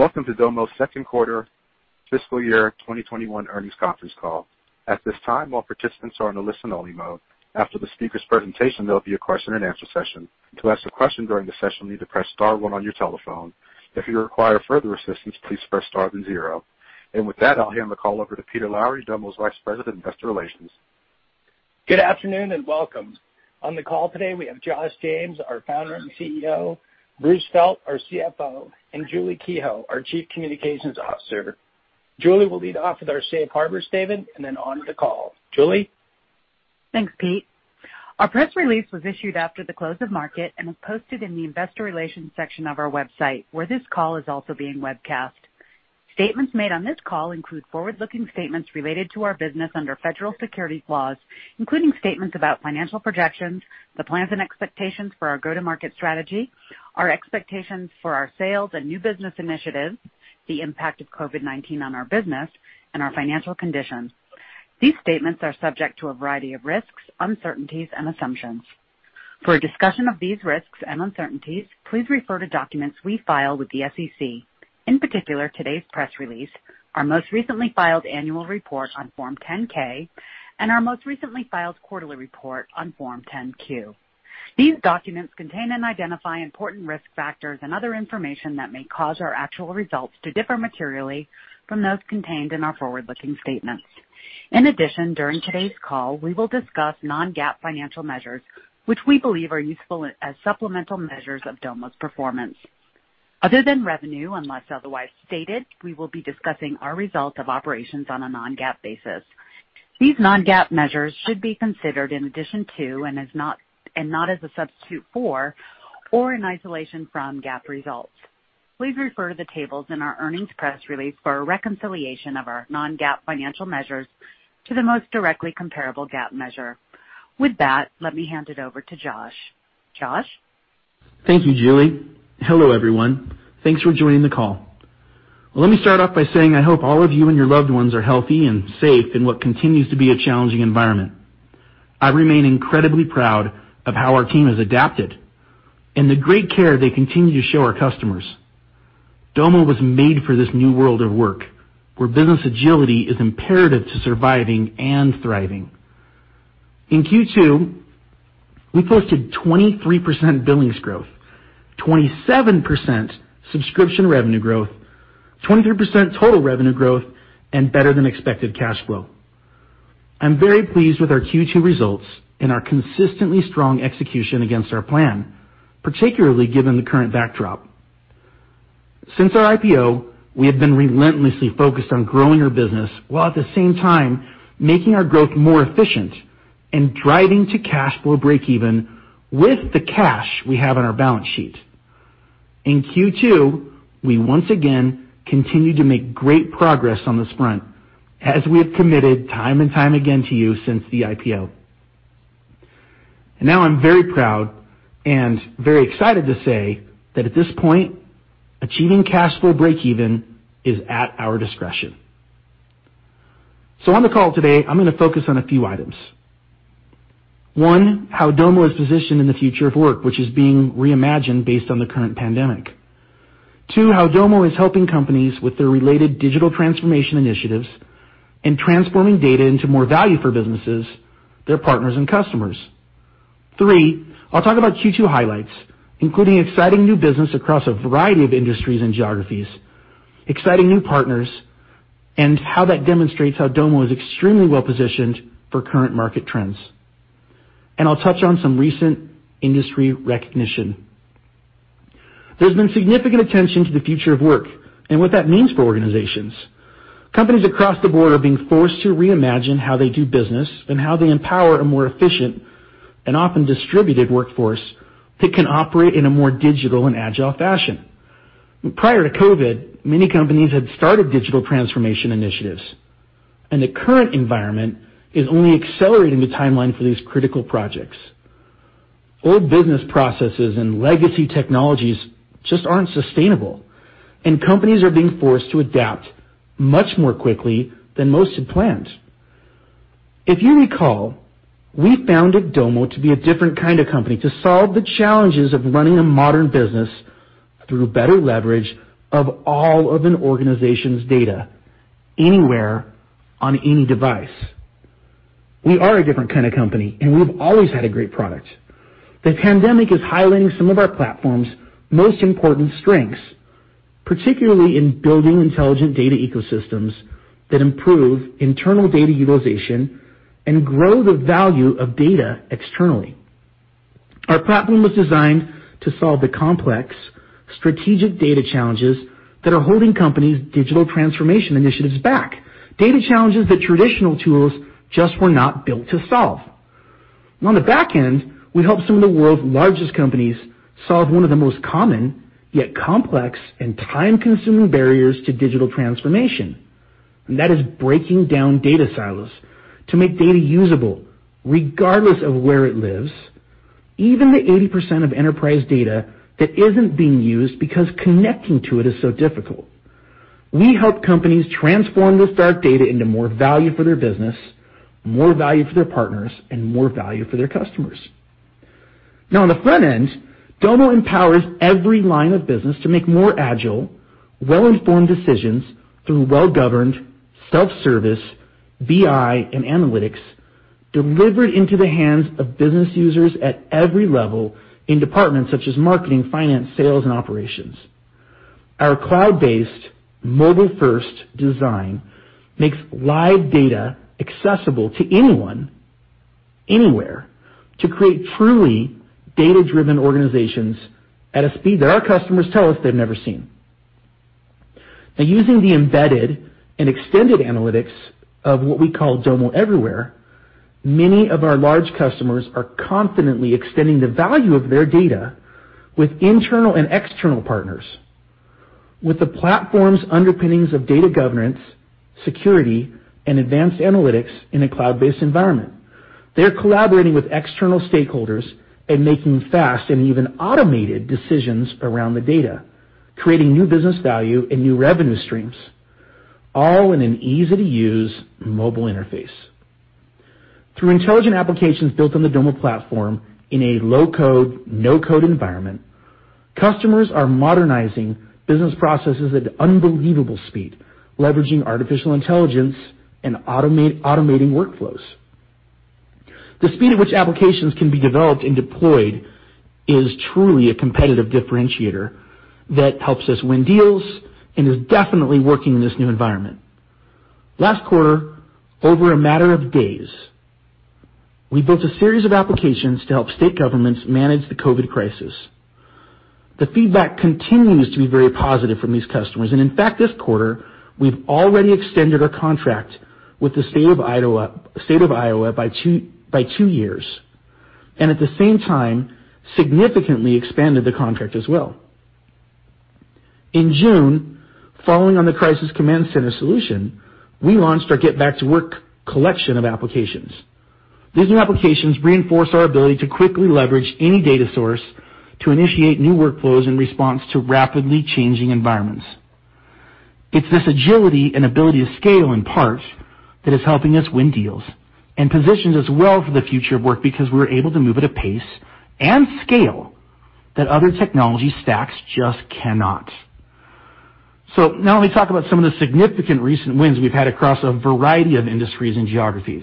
Welcome to Domo's second quarter fiscal year 2021 earnings conference call. At this time, all participants are in a listen-only mode. After the speaker's presentation, there'll be a question and answer session. To ask a question during the session, you need to press star one on your telephone. If you require further assistance, please press star then zero. With that, I'll hand the call over to Peter Lowry, Domo's Vice President of Investor Relations. Good afternoon, and welcome. On the call today, we have Josh James, our founder and CEO, Bruce Felt, our CFO, and Julie Kehoe, our Chief Communications Officer. Julie will lead off with our safe harbor statement and then on with the call. Julie? Thanks, Peter. Our press release was issued after the close of market and is posted in the investor relations section of our website, where this call is also being webcast. Statements made on this call include forward-looking statements related to our business under federal securities laws, including statements about financial projections, the plans and expectations for our go-to-market strategy, our expectations for our sales and new business initiatives, the impact of COVID-19 on our business, and our financial conditions. These statements are subject to a variety of risks, uncertainties, and assumptions. For a discussion of these risks and uncertainties, please refer to documents we file with the SEC, in particular, today's press release, our most recently filed annual report on Form 10-K, and our most recently filed quarterly report on Form 10-Q. These documents contain and identify important risk factors and other information that may cause our actual results to differ materially from those contained in our forward-looking statements. In addition, during today's call, we will discuss non-GAAP financial measures, which we believe are useful as supplemental measures of Domo's performance. Other than revenue, unless otherwise stated, we will be discussing our results of operations on a non-GAAP basis. These non-GAAP measures should be considered in addition to, and not as a substitute for, or in isolation from GAAP results. Please refer to the tables in our earnings press release for a reconciliation of our non-GAAP financial measures to the most directly comparable GAAP measure. With that, let me hand it over to Josh. Josh? Thank you, Julie. Hello, everyone. Thanks for joining the call. Let me start off by saying I hope all of you and your loved ones are healthy and safe in what continues to be a challenging environment. I remain incredibly proud of how our team has adapted and the great care they continue to show our customers. Domo was made for this new world of work, where business agility is imperative to surviving and thriving. In Q2, we posted 23% billings growth, 27% subscription revenue growth, 23% total revenue growth, and better-than-expected cash flow. I'm very pleased with our Q2 results and our consistently strong execution against our plan, particularly given the current backdrop. Since our IPO, we have been relentlessly focused on growing our business while at the same time making our growth more efficient and driving to cash flow breakeven with the cash we have on our balance sheet. In Q2, we once again continued to make great progress on this front, as we have committed time and time again to you since the IPO. Now I'm very proud and very excited to say that at this point, achieving cash flow breakeven is at our discretion. On the call today, I'm going to focus on a few items. One, how Domo is positioned in the future of work, which is being reimagined based on the current pandemic. Two, how Domo is helping companies with their related digital transformation initiatives and transforming data into more value for businesses, their partners, and customers. Three, I'll talk about Q2 highlights, including exciting new business across a variety of industries and geographies, exciting new partners, and how that demonstrates how Domo is extremely well-positioned for current market trends. I'll touch on some recent industry recognition. There's been significant attention to the future of work and what that means for organizations. Companies across the board are being forced to reimagine how they do business and how they empower a more efficient and often distributed workforce that can operate in a more digital and agile fashion. Prior to COVID, many companies had started digital transformation initiatives, and the current environment is only accelerating the timeline for these critical projects. Old business processes and legacy technologies just aren't sustainable, and companies are being forced to adapt much more quickly than most had planned. If you recall, we founded Domo to be a different kind of company to solve the challenges of running a modern business through better leverage of all of an organization's data anywhere on any device. We are a different kind of company, and we've always had a great product. The pandemic is highlighting some of our platform's most important strengths, particularly in building intelligent data ecosystems that improve internal data utilization and grow the value of data externally. Our platform was designed to solve the complex strategic data challenges that are holding companies' digital transformation initiatives back. Data challenges that traditional tools just were not built to solve. On the back end, we help some of the world's largest companies solve one of the most common, yet complex and time-consuming barriers to digital transformation. That is breaking down data silos to make data usable regardless of where it lives, even the 80% of enterprise data that isn't being used because connecting to it is so difficult. We help companies transform this dark data into more value for their business, more value for their partners, and more value for their customers. On the front end, Domo empowers every line of business to make more agile, well-informed decisions through well-governed self-service, BI, and analytics delivered into the hands of business users at every level in departments such as marketing, finance, sales, and operations. Our cloud-based mobile-first design makes live data accessible to anyone, anywhere to create truly data-driven organizations at a speed that our customers tell us they've never seen. Now, using the embedded and extended analytics of what we call Domo Everywhere, many of our large customers are confidently extending the value of their data with internal and external partners. With the platform's underpinnings of data governance, security, and advanced analytics in a cloud-based environment, they're collaborating with external stakeholders and making fast and even automated decisions around the data, creating new business value and new revenue streams, all in an easy-to-use mobile interface. Through intelligent applications built on the Domo platform in a low-code, no-code environment, customers are modernizing business processes at unbelievable speed, leveraging artificial intelligence and automating workflows. The speed at which applications can be developed and deployed is truly a competitive differentiator that helps us win deals and is definitely working in this new environment. Last quarter, over a matter of days, we built a series of applications to help state governments manage the COVID crisis. The feedback continues to be very positive from these customers. In fact, this quarter, we've already extended our contract with the State of Iowa by two years, and at the same time significantly expanded the contract as well. In June, following on the Crisis Command Center solution, we launched our Get Back to Work collection of applications. These new applications reinforce our ability to quickly leverage any data source to initiate new workflows in response to rapidly changing environments. It's this agility and ability to scale, in part, that is helping us win deals, and positions us well for the future of work because we're able to move at a pace and scale that other technology stacks just cannot. Now let me talk about some of the significant recent wins we've had across a variety of industries and geographies.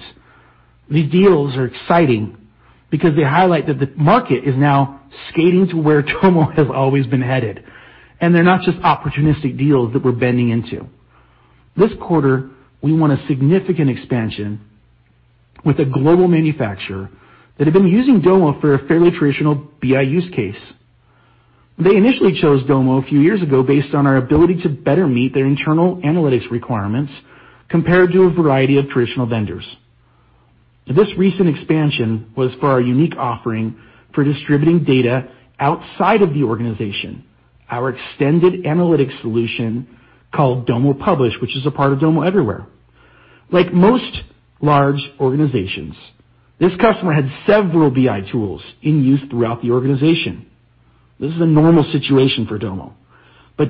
These deals are exciting because they highlight that the market is now skating to where Domo has always been headed, and they're not just opportunistic deals that we're bending into. This quarter, we won a significant expansion with a global manufacturer that had been using Domo for a fairly traditional BI use case. They initially chose Domo a few years ago based on our ability to better meet their internal analytics requirements compared to a variety of traditional vendors. This recent expansion was for our unique offering for distributing data outside of the organization, our extended analytics solution called Domo Publish, which is a part of Domo Everywhere. Like most large organizations, this customer had several BI tools in use throughout the organization. This is a normal situation for Domo.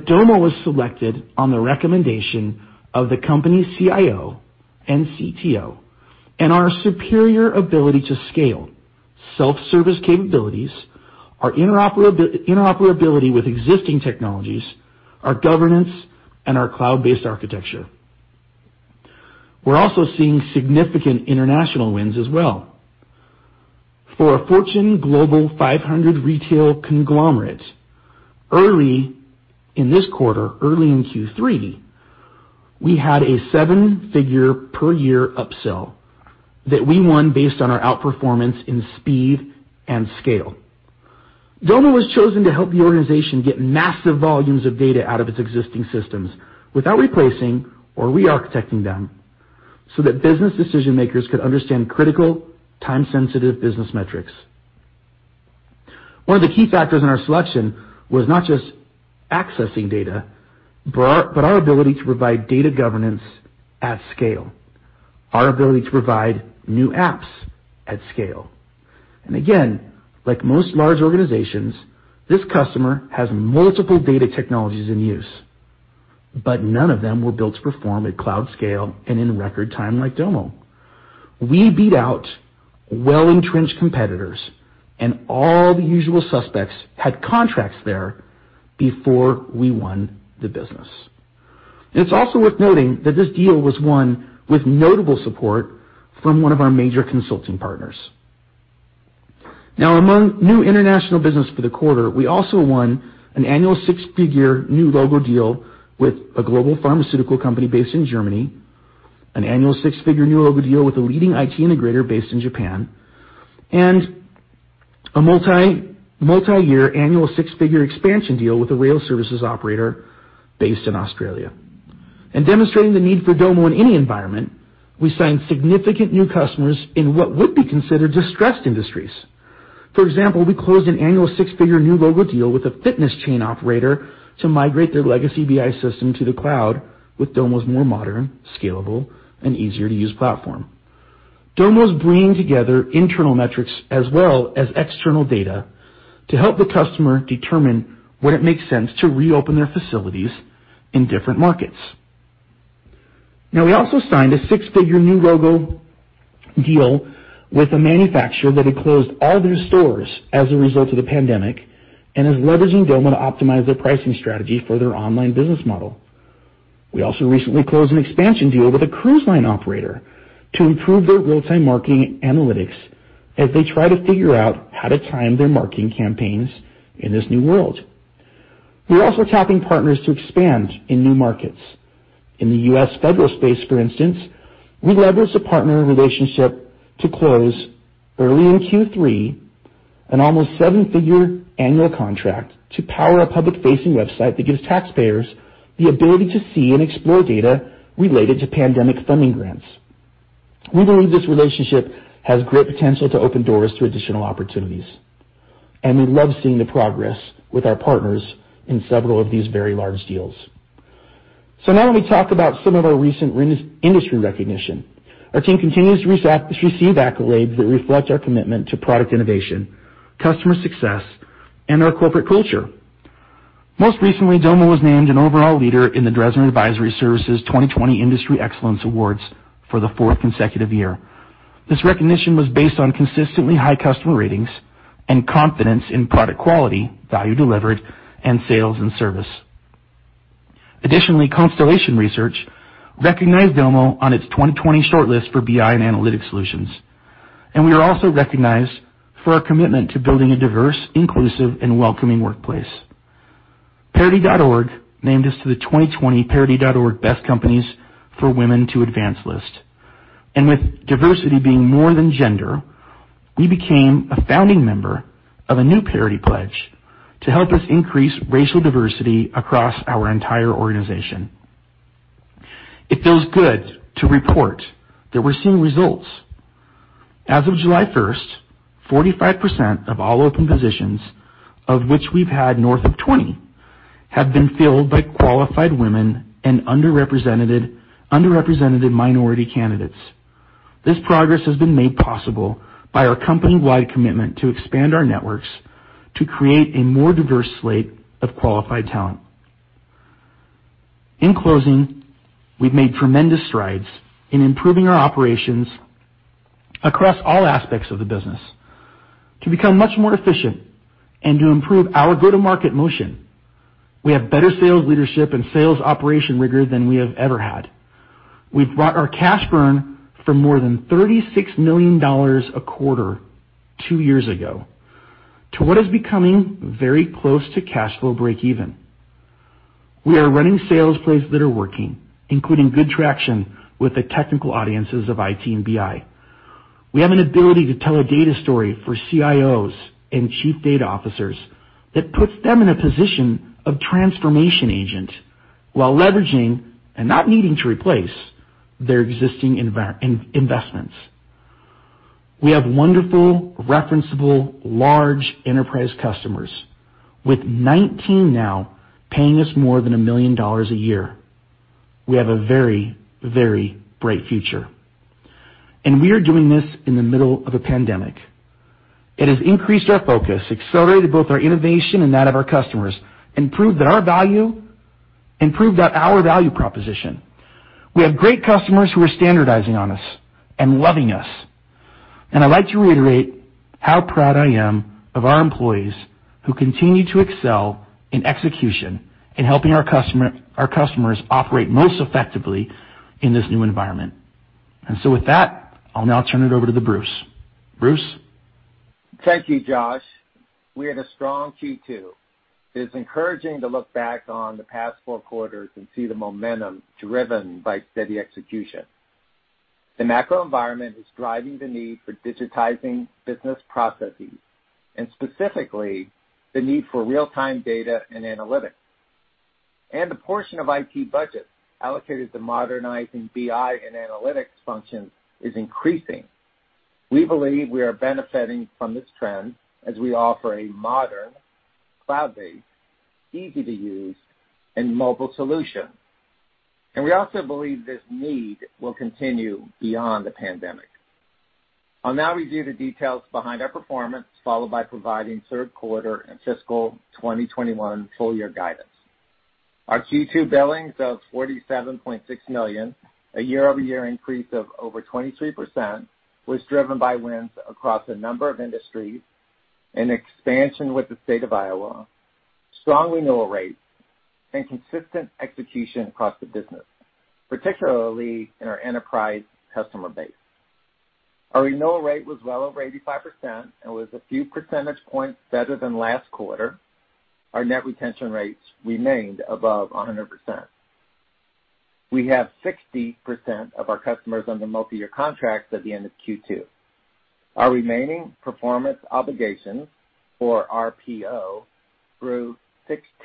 Domo was selected on the recommendation of the company's CIO and CTO, and our superior ability to scale self-service capabilities, our interoperability with existing technologies, our governance, and our cloud-based architecture. We're also seeing significant international wins as well. For a Fortune Global 500 retail conglomerate early in this quarter, early in Q3, we had a $7-figure per year upsell that we won based on our outperformance in speed and scale. Domo was chosen to help the organization get massive volumes of data out of its existing systems without replacing or re-architecting them, so that business decision-makers could understand critical, time-sensitive business metrics. One of the key factors in our selection was not just accessing data, but our ability to provide data governance at scale, our ability to provide new apps at scale. Again, like most large organizations, this customer has multiple data technologies in use, but none of them were built to perform at cloud scale and in record time like Domo. We beat out well-entrenched competitors, and all the usual suspects had contracts there before we won the business. It's also worth noting that this deal was won with notable support from one of our major consulting partners. Now, among new international business for the quarter, we also won an annual six-figure new logo deal with a global pharmaceutical company based in Germany, an annual six-figure new logo deal with a leading IT integrator based in Japan, and a multi-year annual six-figure expansion deal with a rail services operator based in Australia. Demonstrating the need for Domo in any environment, we signed significant new customers in what would be considered distressed industries. For example, we closed an annual six-figure new logo deal with a fitness chain operator to migrate their legacy BI system to the cloud with Domo's more modern, scalable, and easier-to-use platform. Domo's bringing together internal metrics as well as external data to help the customer determine when it makes sense to reopen their facilities in different markets. We also signed a six-figure new logo deal with a manufacturer that had closed all their stores as a result of the pandemic and is leveraging Domo to optimize their pricing strategy for their online business model. We also recently closed an expansion deal with a cruise line operator to improve their real-time marketing analytics as they try to figure out how to time their marketing campaigns in this new world. We're also tapping partners to expand in new markets. In the U.S. federal space, for instance, we leveraged a partner relationship to close early in Q3 an almost seven-figure annual contract to power a public-facing website that gives taxpayers the ability to see and explore data related to pandemic funding grants. We believe this relationship has great potential to open doors to additional opportunities, and we love seeing the progress with our partners in several of these very large deals. Now let me talk about some of our recent industry recognition. Our team continues to receive accolades that reflect our commitment to product innovation, customer success, and our corporate culture. Most recently, Domo was named an overall leader in the Dresner Advisory Services 2020 Industry Excellence Awards for the fourth consecutive year. This recognition was based on consistently high customer ratings and confidence in product quality, value delivered, and sales and service. Additionally, Constellation Research recognized Domo on its 2020 shortlist for BI and analytics solutions. We are also recognized for our commitment to building a diverse, inclusive, and welcoming workplace. Parity.org named us to the 2020 Parity.org Best Companies for Women to Advance list. With diversity being more than gender, we became a founding member of a new parity pledge to help us increase racial diversity across our entire organization. It feels good to report that we're seeing results. As of July 1st, 45% of all open positions, of which we've had north of 20, have been filled by qualified women and underrepresented minority candidates. This progress has been made possible by our company-wide commitment to expand our networks to create a more diverse slate of qualified talent. In closing, we've made tremendous strides in improving our operations across all aspects of the business to become much more efficient and to improve our go-to-market motion. We have better sales leadership and sales operation rigor than we have ever had. We've brought our cash burn from more than $36 million a quarter two years ago to what is becoming very close to cash flow breakeven. We are running sales plays that are working, including good traction with the technical audiences of IT and BI. We have an ability to tell a data story for CIOs and chief data officers that puts them in a position of transformation agent while leveraging and not needing to replace their existing investments. We have wonderful, referenceable, large enterprise customers, with 19 now paying us more than a million dollars a year. We have a very, very bright future. We are doing this in the middle of a pandemic. It has increased our focus, accelerated both our innovation and that of our customers, and proved our value proposition. We have great customers who are standardizing on us and loving us. I'd like to reiterate how proud I am of our employees who continue to excel in execution in helping our customers operate most effectively in this new environment. With that, I'll now turn it over to the Bruce. Bruce? Thank you, Josh. We had a strong Q2. It is encouraging to look back on the past four quarters and see the momentum driven by steady execution. The macro environment is driving the need for digitizing business processes, and specifically the need for real-time data and analytics. The portion of IT budgets allocated to modernizing BI and analytics functions is increasing. We believe we are benefiting from this trend as we offer a modern, cloud-based, easy-to-use, and mobile solution. We also believe this need will continue beyond the pandemic. I'll now review the details behind our performance, followed by providing third quarter and fiscal 2021 full-year guidance. Our Q2 billings of $47.6 million, a year-over-year increase of over 23%, was driven by wins across a number of industries, an expansion with the state of Iowa, strong renewal rates, and consistent execution across the business, particularly in our enterprise customer base. Our renewal rate was well over 85% and was a few percentage points better than last quarter. Our net retention rates remained above 100%. We have 60% of our customers under multi-year contracts at the end of Q2. Our remaining performance obligations or RPO grew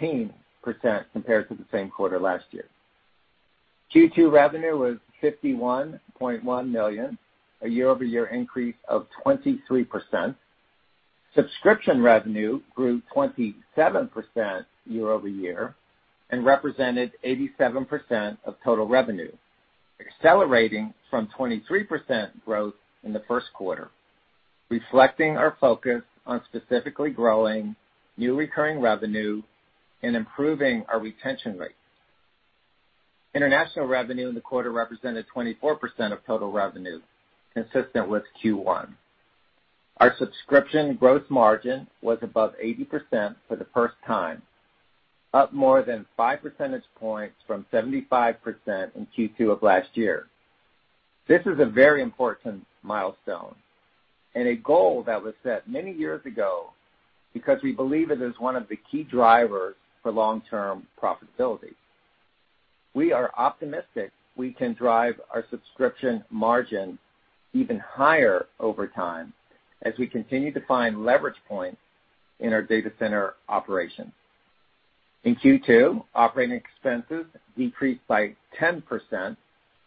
16% compared to the same quarter last year. Q2 revenue was $51.1 million, a year-over-year increase of 23%. Subscription revenue grew 27% year-over-year and represented 87% of total revenue, accelerating from 23% growth in the first quarter, reflecting our focus on specifically growing new recurring revenue and improving our retention rates. International revenue in the quarter represented 24% of total revenue, consistent with Q1. Our subscription gross margin was above 80% for the first time, up more than five percentage points from 75% in Q2 of last year. This is a very important milestone and a goal that was set many years ago because we believe it is one of the key drivers for long-term profitability. We are optimistic we can drive our subscription margin even higher over time as we continue to find leverage points in our data center operations. In Q2, operating expenses decreased by 10%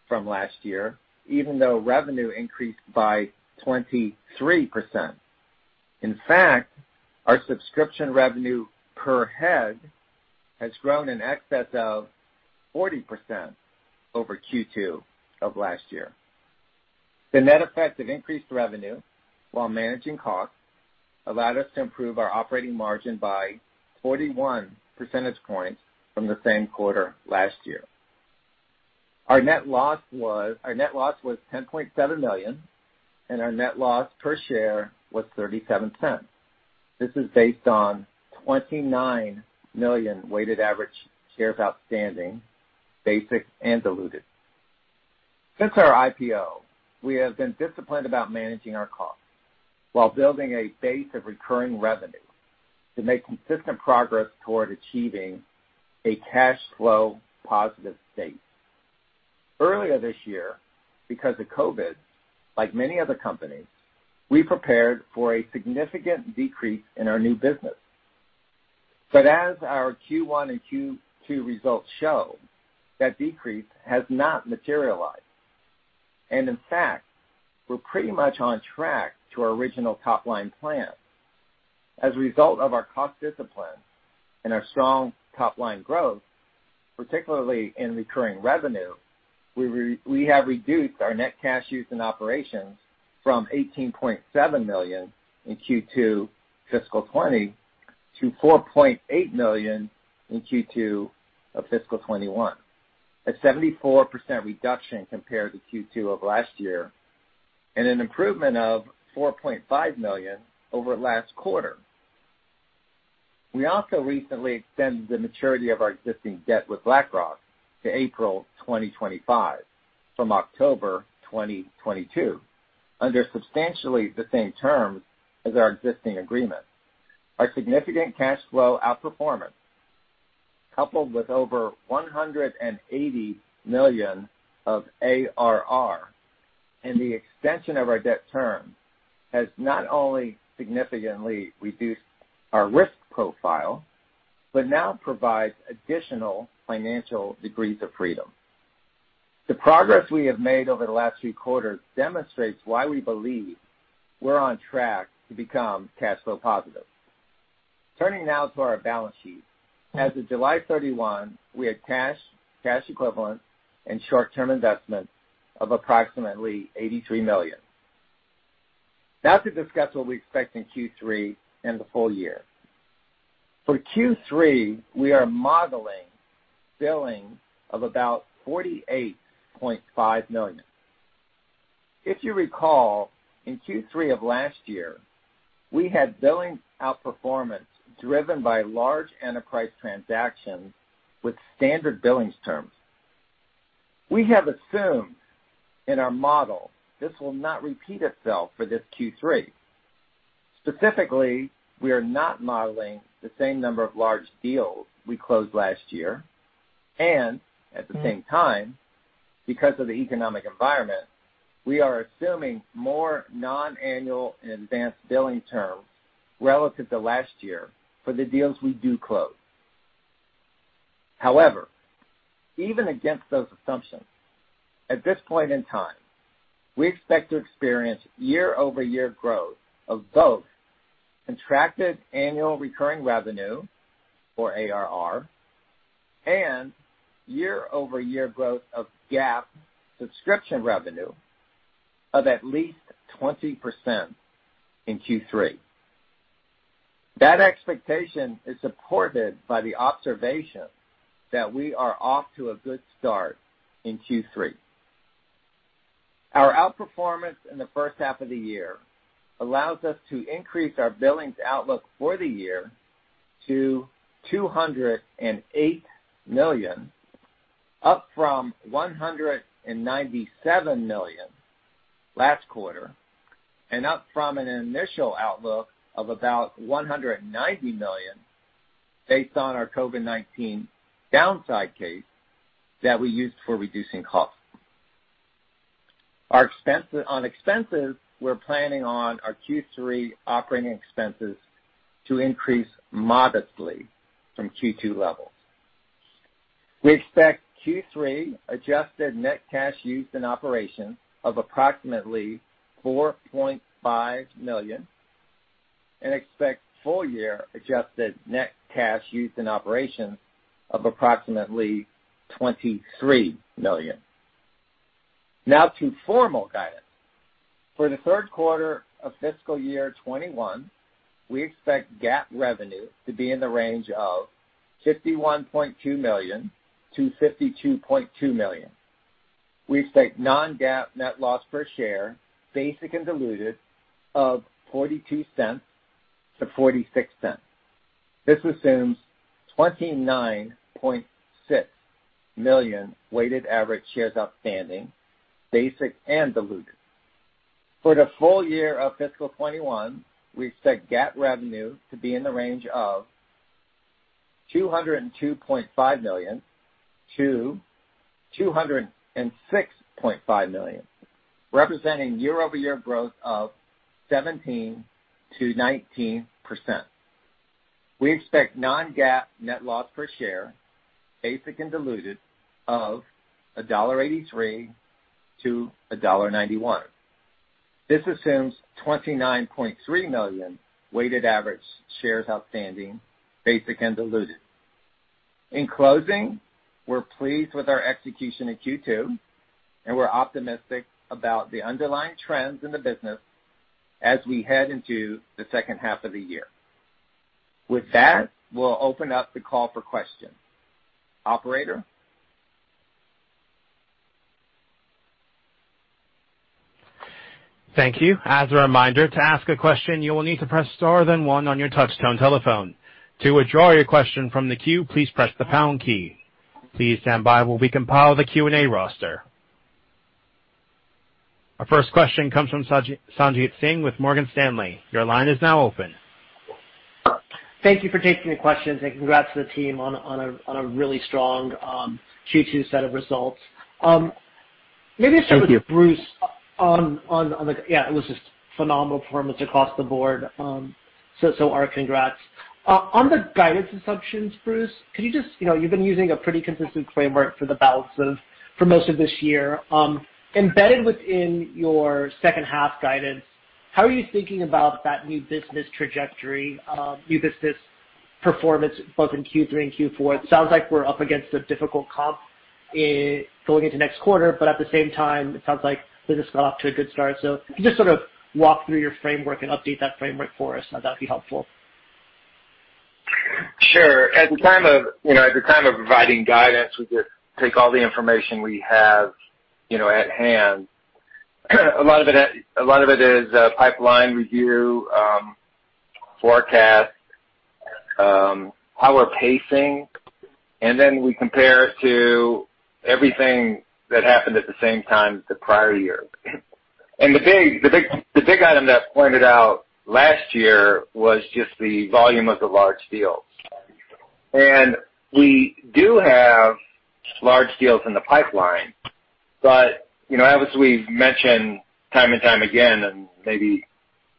from last year, even though revenue increased by 23%. In fact, our subscription revenue per head has grown in excess of 40% over Q2 of last year. The net effect of increased revenue while managing costs allowed us to improve our operating margin by 41 percentage points from the same quarter last year. Our net loss was $10.7 million, and our net loss per share was $0.37. This is based on 29 million weighted average shares outstanding, basic and diluted. Since our IPO, we have been disciplined about managing our costs while building a base of recurring revenue to make consistent progress toward achieving a cash flow positive state. Earlier this year, because of COVID, like many other companies, we prepared for a significant decrease in our new business. As our Q1 and Q2 results show, that decrease has not materialized. In fact, we're pretty much on track to our original top-line plan. As a result of our cost discipline and our strong top-line growth, particularly in recurring revenue, we have reduced our net cash use in operations from $18.7 million in Q2 fiscal 2020 to $4.8 million in Q2 of fiscal 2021. A 74% reduction compared to Q2 of last year, and an improvement of $4.5 million over last quarter. We also recently extended the maturity of our existing debt with BlackRock to April 2025 from October 2022, under substantially the same terms as our existing agreement. Our significant cash flow outperformance, coupled with over $180 million of ARR and the extension of our debt term, has not only significantly reduced our risk profile, but now provides additional financial degrees of freedom. The progress we have made over the last few quarters demonstrates why we believe we're on track to become cash flow positive. Turning now to our balance sheet. As of July 31, we had cash equivalents, and short-term investments of approximately $83 million. Now to discuss what we expect in Q3 and the full year. For Q3, we are modeling billing of about $48.5 million. If you recall, in Q3 of last year, we had billings outperformance driven by large enterprise transactions with standard billings terms. We have assumed in our model this will not repeat itself for this Q3. Specifically, we are not modeling the same number of large deals we closed last year, and at the same time, because of the economic environment, we are assuming more non-annual and advanced billing terms relative to last year for the deals we do close. However, even against those assumptions, at this point in time, we expect to experience year-over-year growth of both contracted annual recurring revenue, or ARR, and year-over-year growth of GAAP subscription revenue of at least 20% in Q3. That expectation is supported by the observation that we are off to a good start in Q3. Our outperformance in the first half of the year allows us to increase our billings outlook for the year to $208 million, up from $197 million last quarter, and up from an initial outlook of about $190 million based on our COVID-19 downside case that we used for reducing costs. On expenses, we're planning on our Q3 operating expenses to increase modestly from Q2 levels. We expect Q3 adjusted net cash used in operation of approximately $4.5 million. We expect full year adjusted net cash used in operations of approximately $23 million. Now to formal guidance. For the third quarter of fiscal year 2021, we expect GAAP revenue to be in the range of $51.2 million-$52.2 million. We expect non-GAAP net loss per share, basic and diluted, of $0.42-$0.46. This assumes 29.6 million weighted average shares outstanding, basic and diluted. For the full year of fiscal 2021, we expect GAAP revenue to be in the range of $202.5 million-$206.5 million, representing year-over-year growth of 17%-19%. We expect non-GAAP net loss per share, basic and diluted, of $1.83-$1.91. This assumes 29.3 million weighted average shares outstanding, basic and diluted. In closing, we're pleased with our execution in Q2, and we're optimistic about the underlying trends in the business as we head into the second half of the year. With that, we'll open up the call for questions. Operator? Thank you. As a reminder, to ask a question, you will need to press star then one on your touchtone telephone. To withdraw your question from the queue, please press the pound key. Please stand by while we compile the Q&A roster. Our first question comes from Sanjit Singh with Morgan Stanley. Your line is now open. Thank you for taking the questions, and congrats to the team on a really strong Q2 set of results. It was just phenomenal performance across the board. Our congrats. On the guidance assumptions, Bruce, you've been using a pretty consistent framework for the balance of most of this year. Embedded within your second half guidance, how are you thinking about that new business trajectory, new business performance both in Q3 and Q4? It sounds like we're up against a difficult comp going into next quarter. At the same time, it sounds like business got off to a good start. If you just sort of walk through your framework and update that framework for us, that'd be helpful. Sure. At the time of providing guidance, we just take all the information we have at hand. A lot of it is pipeline review, forecasts, our pacing, and then we compare it to everything that happened at the same time the prior year. The big item that pointed out last year was just the volume of the large deals. We do have large deals in the pipeline, but as we've mentioned time and time again, and maybe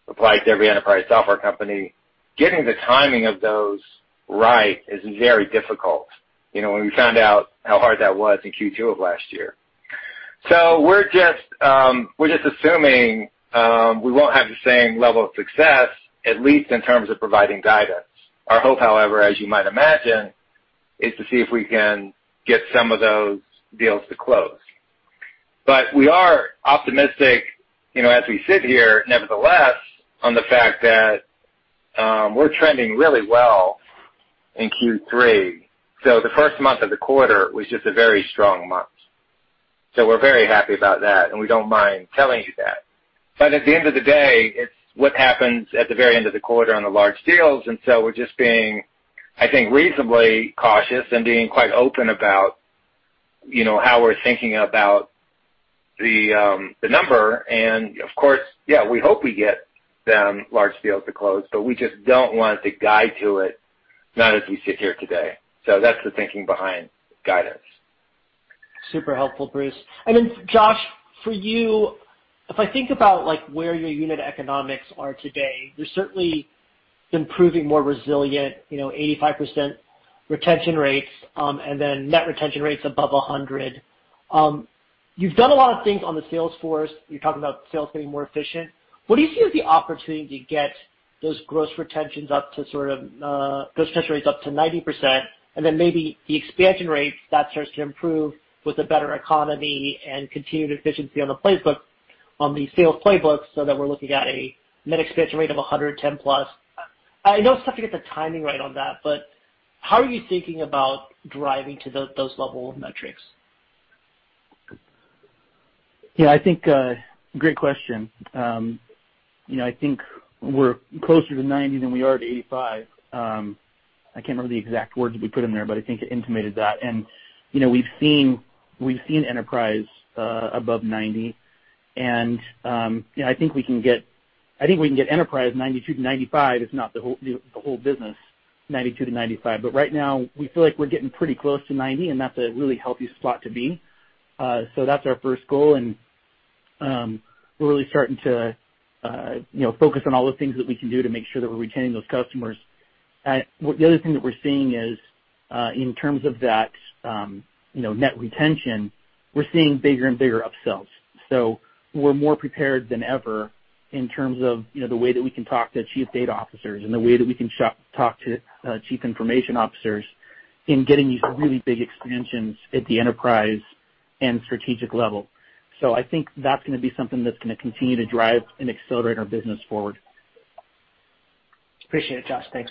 applies to every enterprise software company, getting the timing of those right is very difficult. We found out how hard that was in Q2 of last year. We're just assuming we won't have the same level of success, at least in terms of providing guidance. Our hope, however, as you might imagine, is to see if we can get some of those deals to close. We are optimistic as we sit here, nevertheless, on the fact that we're trending really well in Q3. The first month of the quarter was just a very strong month. We're very happy about that, and we don't mind telling you that. At the end of the day, it's what happens at the very end of the quarter on the large deals. We're just being, I think, reasonably cautious and being quite open about how we're thinking about the number. Of course, yeah, we hope we get them large deals to close, but we just don't want to guide to it, not as we sit here today. That's the thinking behind guidance. Super helpful, Bruce. Josh, for you, if I think about where your unit economics are today, you're certainly improving more resilient, 85% retention rates, and then net retention rates above 100%. You've done a lot of things on the sales force. You're talking about sales getting more efficient. What do you see as the opportunity to get those gross retentions up to those retention rates up to 90%, and then maybe the expansion rates that starts to improve with a better economy and continued efficiency on the sales playbooks so that we're looking at a net expansion rate of 110% plus? I know it's tough to get the timing right on that, but how are you thinking about driving to those level of metrics? Yeah, I think great question. I think we're closer to 90% than we are to 85%. I can't remember the exact words we put in there, but I think it intimated that. We've seen enterprise above 90%, and I think we can get enterprise 92%-95% if not the whole business 92%-95%. Right now, we feel like we're getting pretty close to 90%, and that's a really healthy spot to be. That's our first goal, and we're really starting to focus on all the things that we can do to make sure that we're retaining those customers. The other thing that we're seeing is, in terms of that net retention, we're seeing bigger and bigger upsells. We're more prepared than ever in terms of the way that we can talk to chief data officers and the way that we can talk to chief information officers in getting these really big expansions at the enterprise and strategic level. I think that's going to be something that's going to continue to drive and accelerate our business forward. Appreciate it, Josh. Thanks.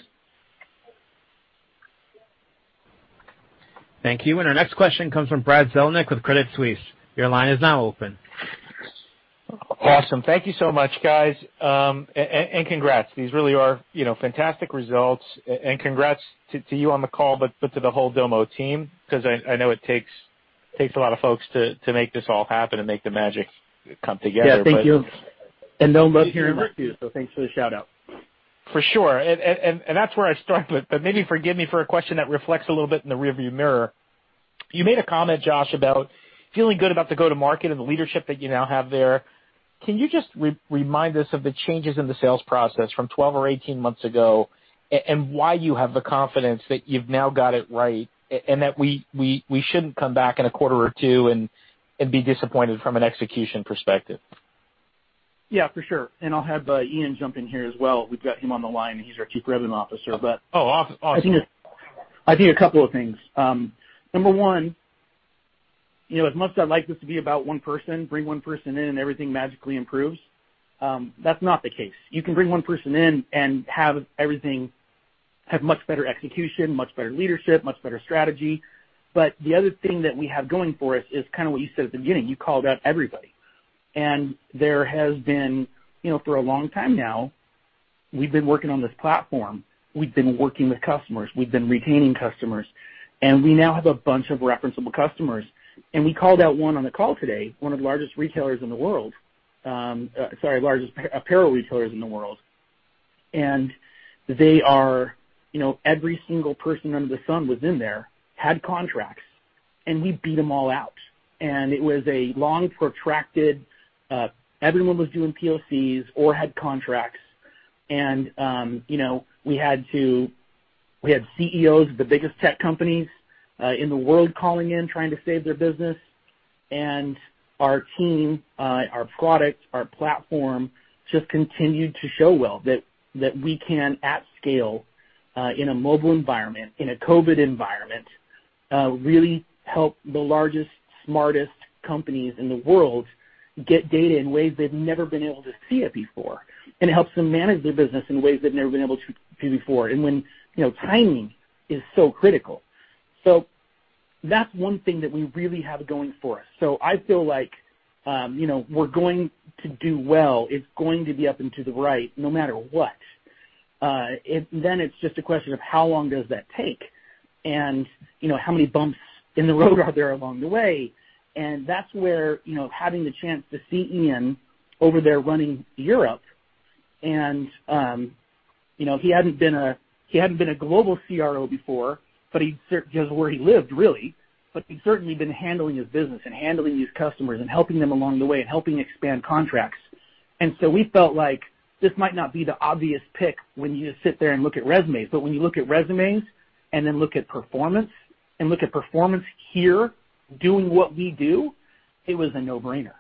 Thank you. Our next question comes from Brad Zelnick with Credit Suisse. Awesome. Thank you so much, guys. Congrats. These really are fantastic results, and congrats to you on the call, but to the whole Domo team, because I know it takes a lot of folks to make this all happen and make the magic come together. Yeah. Thank you. Domo here too, so thanks for the shout-out. For sure. That's where I start with. Maybe forgive me for a question that reflects a little bit in the rearview mirror. You made a comment, Josh, about feeling good about the go-to-market and the leadership that you now have there. Can you just remind us of the changes in the sales process from 12 or 18 months ago, and why you have the confidence that you've now got it right, and that we shouldn't come back in a quarter or two and be disappointed from an execution perspective? Yeah, for sure. I'll have Ian jump in here as well. We've got him on the line, and he's our Chief Revenue Officer. Oh, awesome. I think a couple of things. Number one, as much as I'd like this to be about one person, bring one person in and everything magically improves, that's not the case. You can bring one person in and have everything have much better execution, much better leadership, much better strategy. The other thing that we have going for us is kind of what you said at the beginning. You called out everybody. There has been, for a long time now, we've been working on this platform. We've been working with customers. We've been retaining customers. We now have a bunch of referenceable customers. We called out one on the call today, one of the largest retailers in the world. Sorry, largest apparel retailers in the world. They are, every single person under the sun was in there, had contracts, and we beat them all out. It was a long, protracted, everyone was doing POCs or had contracts. We had CEOs of the biggest tech companies in the world calling in trying to save their business. Our team, our product, our platform just continued to show well, that we can, at scale, in a mobile environment, in a COVID environment, really help the largest, smartest companies in the world get data in ways they've never been able to see it before. It helps them manage their business in ways they've never been able to do before, and when timing is so critical. That's one thing that we really have going for us. I feel like we're going to do well. It's going to be up and to the right no matter what. Then it's just a question of how long does that take, and how many bumps in the road are there along the way? That's where having the chance to see Ian over there running Europe, and he hadn't been a global CRO before, but that's where he lived, really. He'd certainly been handling his business and handling these customers and helping them along the way and helping expand contracts. We felt like this might not be the obvious pick when you just sit there and look at resumes. When you look at resumes and then look at performance and look at performance here, doing what we do, it was a no-brainer.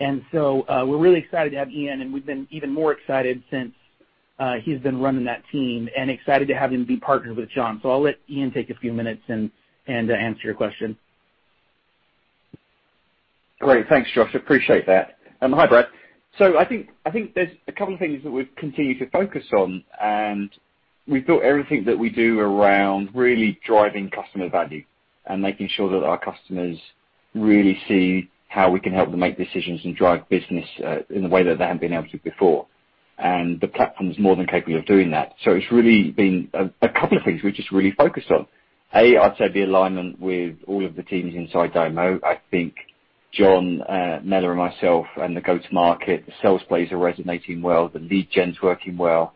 We're really excited to have Ian, and we've been even more excited since he's been running that team, and excited to have him be partnered with John. I'll let Ian take a few minutes and answer your question. Great. Thanks, Josh. Appreciate that. Hi, Brad. I think there's a couple of things that we've continued to focus on, and we've built everything that we do around really driving customer value and making sure that our customers really see how we can help them make decisions and drive business in a way that they haven't been able to before. The platform is more than capable of doing that. It's really been a couple of things we're just really focused on. A, I'd say the alignment with all of the teams inside Domo. I think John Mellor, and myself, and the go-to-market, the sales plays are resonating well. The lead gen's working well.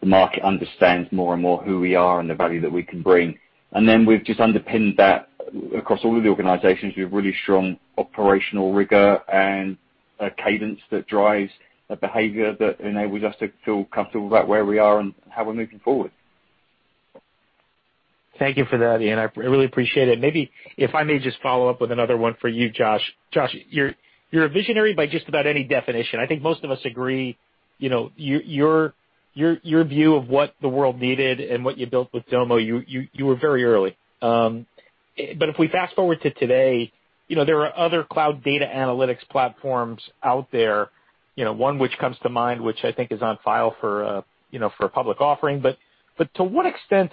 The market understands more and more who we are and the value that we can bring. We've just underpinned that across all of the organizations with really strong operational rigor and a cadence that drives a behavior that enables us to feel comfortable about where we are and how we're moving forward. Thank you for that, Ian. I really appreciate it. Maybe if I may just follow up with another one for you, Josh. Josh, you're a visionary by just about any definition. I think most of us agree, your view of what the world needed and what you built with Domo, you were very early. If we fast-forward to today, there are other cloud data analytics platforms out there, one which comes to mind, which I think is on file for a public offering. To what extent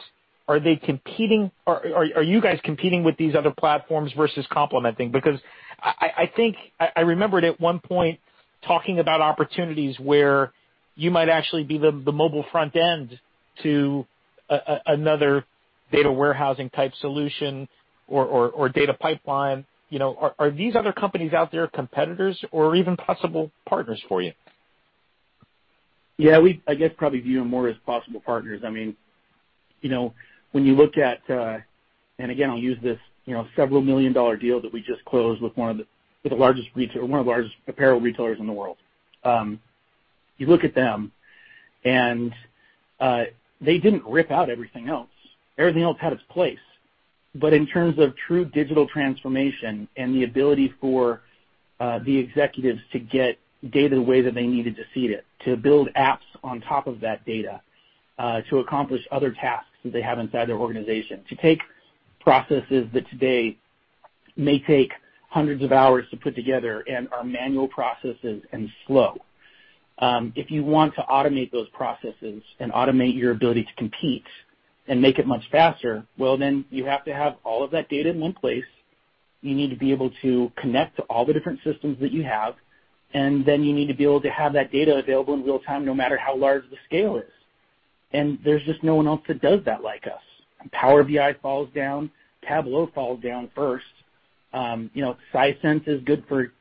are they competing, or are you guys competing with these other platforms versus complementing? I think I remembered at one point talking about opportunities where you might actually be the mobile front end to another data warehousing type solution or data pipeline. Are these other companies out there competitors or even possible partners for you? Yeah. We, I guess, probably view them more as possible partners. When you look at and again, I'll use this several million-dollar deal that we just closed with one of the largest apparel retailers in the world. You look at them, and they didn't rip out everything else. Everything else had its place. In terms of true digital transformation and the ability for the executives to get data the way that they needed to see it, to build apps on top of that data, to accomplish other tasks that they have inside their organization, to take processes that today may take hundreds of hours to put together and are manual processes and slow. If you want to automate those processes and automate your ability to compete and make it much faster, well, then you have to have all of that data in one place. You need to be able to connect to all the different systems that you have, and then you need to be able to have that data available in real time, no matter how large the scale is. There's just no one else that does that like us. When Power BI falls down, Tableau falls down first. Sisense is good for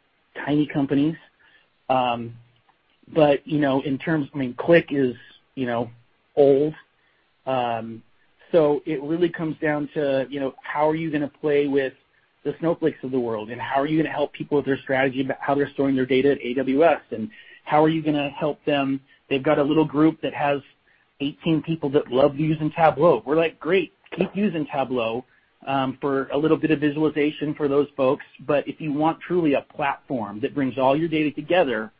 tiny companies. I mean, Qlik is old. It really comes down to how are you going to play with the Snowflake of the world, and how are you going to help people with their strategy about how they're storing their data at AWS, and how are you going to help them? They've got a little group that has 18 people that love using Tableau. We're like, Great, keep using Tableau for a little bit of visualization for those folks. If you want truly a platform that brings all your data together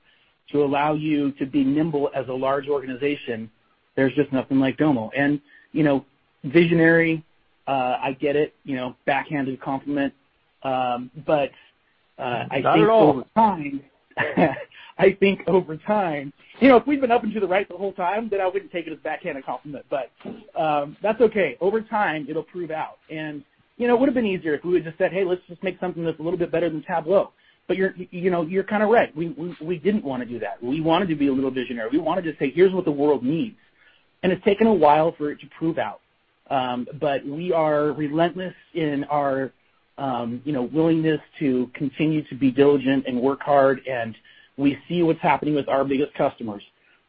to allow you to be nimble as a large organization, there's just nothing like Domo. Visionary, I get it, backhanded compliment. Not at all. I think over time, if we'd been up and to the right the whole time, then I wouldn't take it as a backhanded compliment. That's okay. Over time, it'll prove out. It would've been easier if we would've just said, "Hey, let's just make something that's a little bit better than Tableau." You're kind of right. We didn't want to do that. We wanted to be a little visionary. We wanted to say, "Here's what the world needs." It's taken a while for it to prove out. We are relentless in our willingness to continue to be diligent and work hard, and we see what's happening with our biggest customers.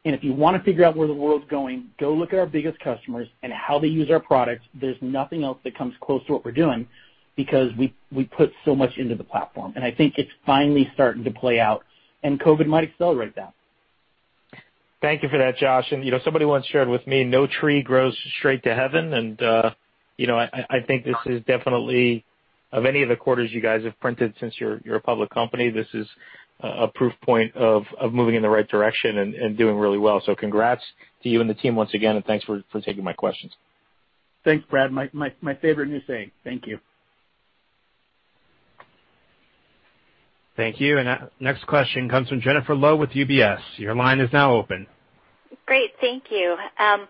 If you want to figure out where the world's going, go look at our biggest customers and how they use our products. There's nothing else that comes close to what we're doing because we put so much into the platform, and I think it's finally starting to play out, and COVID might accelerate that. Thank you for that, Josh. Somebody once shared with me, no tree grows straight to heaven, and I think this is definitely, of any of the quarters you guys have printed since you're a public company, this is a proof point of moving in the right direction and doing really well. Congrats to you and the team once again, and thanks for taking my questions. Thanks, Brad. My favorite new saying. Thank you. Thank you. Next question comes from Jennifer Lowe with UBS. Great. Thank you. I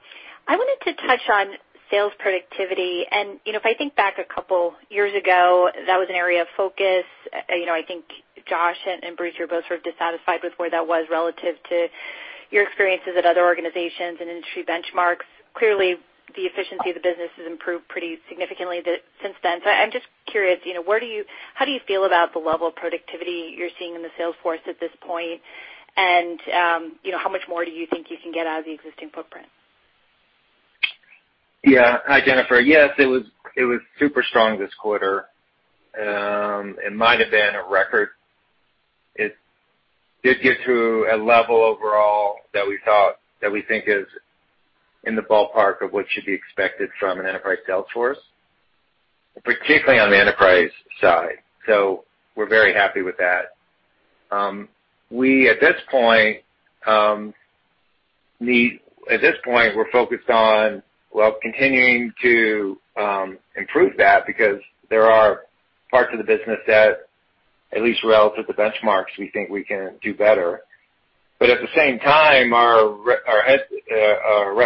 wanted to touch on sales productivity, and if I think back a couple years ago, that was an area of focus. I think Josh and Bruce, you were both sort of dissatisfied with where that was relative to your experiences at other organizations and industry benchmarks. Clearly, the efficiency of the business has improved pretty significantly since then. I'm just curious, how do you feel about the level of productivity you're seeing in the sales force at this point? How much more do you think you can get out of the existing footprint? Yeah. Hi, Jennifer. Yes, it was super strong this quarter. It might have been a record. It did get to a level overall that we think is in the ballpark of what should be expected from an enterprise sales force, particularly on the enterprise side. We're very happy with that. At this point, we're focused on, well, continuing to improve that because there are parts of the business that at least relative to benchmarks, we think we can do better. At the same time, our rep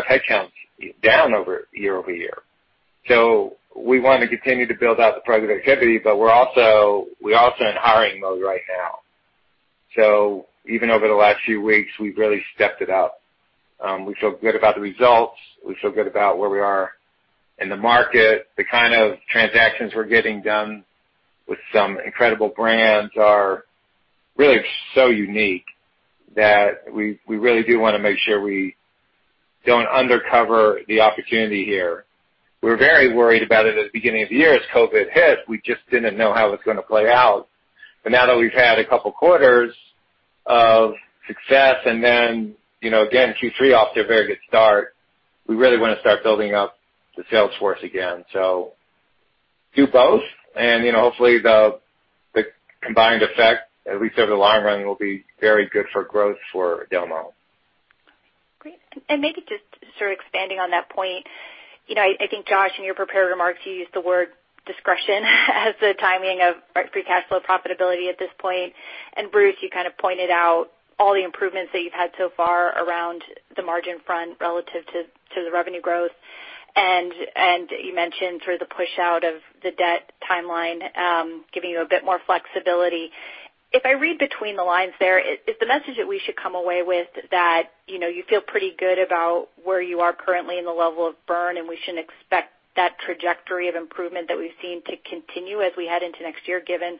headcount's down year-over-year. We want to continue to build out the productivity, but we're also in hiring mode right now. Even over the last few weeks, we've really stepped it up. We feel good about the results. We feel good about where we are in the market. The kind of transactions we're getting done with some incredible brands are really so unique that we really do want to make sure we don't understate the opportunity here. We were very worried about it at the beginning of the year as COVID hit. We just didn't know how it was going to play out. Now that we've had a couple quarters of success, and then again, Q3 off to a very good start, we really want to start building up the sales force again. Do both, and hopefully the combined effect, at least over the long run, will be very good for growth for Domo. Great. Maybe just sort of expanding on that point. I think Josh, in your prepared remarks, you used the word discretion as the timing of free cash flow profitability at this point. Bruce, you kind of pointed out all the improvements that you've had so far around the margin front relative to the revenue growth. You mentioned sort of the push out of the debt timeline, giving you a bit more flexibility. If I read between the lines there, is the message that we should come away with that you feel pretty good about where you are currently in the level of burn, and we shouldn't expect that trajectory of improvement that we've seen to continue as we head into next year? Given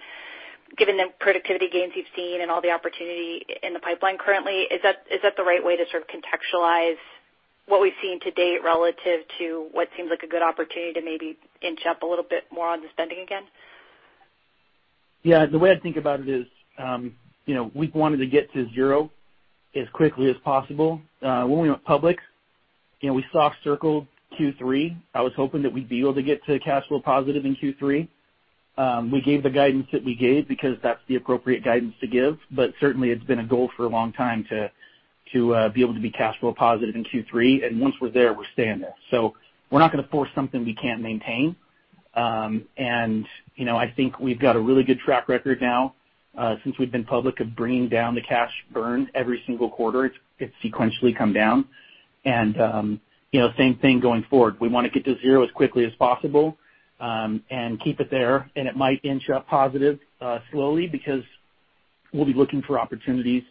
the productivity gains you've seen and all the opportunity in the pipeline currently, is that the right way to sort of contextualize what we've seen to date relative to what seems like a good opportunity to maybe inch up a little bit more on the spending again? Yeah. The way I think about it is we wanted to get to zero as quickly as possible. When we went public, we soft circled Q3. I was hoping that we'd be able to get to cash flow positive in Q3. We gave the guidance that we gave because that's the appropriate guidance to give. Certainly, it's been a goal for a long time to be able to be cash flow positive in Q3. Once we're there, we're staying there. We're not going to force something we can't maintain. I think we've got a really good track record now, since we've been public, of bringing down the cash burn every single quarter. It's sequentially come down. Same thing going forward. We want to get to zero as quickly as possible, and keep it there. It might inch up positive slowly because we'll be looking for opportunities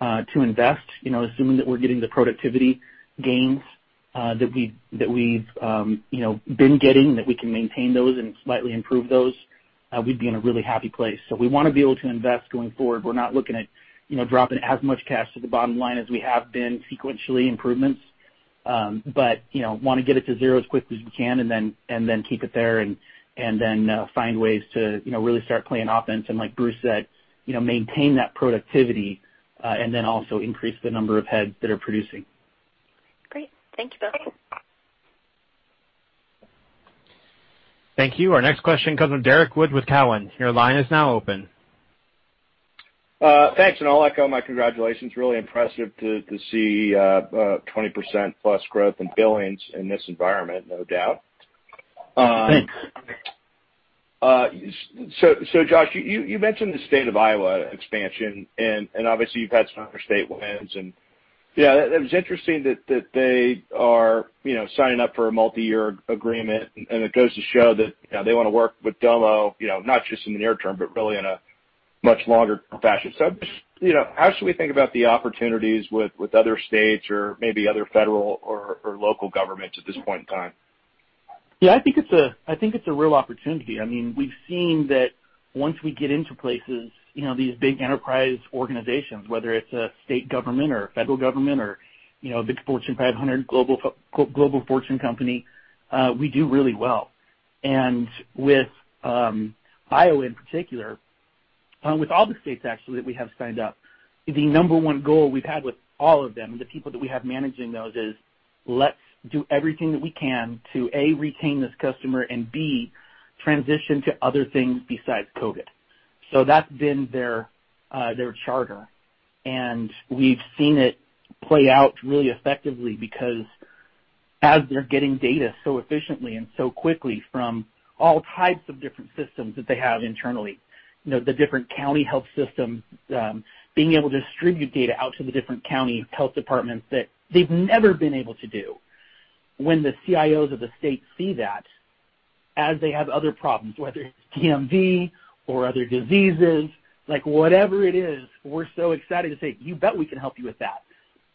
to invest, assuming that we're getting the productivity gains that we've been getting, that we can maintain those and slightly improve those, we'd be in a really happy place. We want to be able to invest going forward. We're not looking at dropping as much cash to the bottom line as we have been, sequentially improvements. Want to get it to zero as quickly as we can, and then keep it there and then find ways to really start playing offense. Like Bruce said, maintain that productivity, and then also increase the number of heads that are producing. Great. Thank you both. Thank you. Our next question comes from Derrick Wood with Cowen. Your line is now open. Thanks. I'll echo my congratulations. Really impressive to see 20% plus growth in billings in this environment, no doubt. Thanks. Josh, you mentioned the state of Iowa expansion. Obviously you've had some other state wins. Yeah, it was interesting that they are signing up for a multi-year agreement. It goes to show that they want to work with Domo, not just in the near term, but really in a much longer fashion. How should we think about the opportunities with other states or maybe other federal or local governments at this point in time? Yeah, I think it's a real opportunity. We've seen that once we get into places, these big enterprise organizations, whether it's a state government or a federal government or a big Fortune 500 global Fortune company, we do really well. With Iowa in particular, with all the states actually that we have signed up, the number one goal we've had with all of them, the people that we have managing those is, let's do everything that we can to, A, retain this customer, and B, transition to other things besides COVID. That's been their charter, and we've seen it play out really effectively because as they're getting data so efficiently and so quickly from all types of different systems that they have internally, the different county health systems, being able to distribute data out to the different county health departments that they've never been able to do. When the CIOs of the state see that, as they have other problems, whether it's DMV or other diseases, like whatever it is, we're so excited to say, "You bet we can help you with that."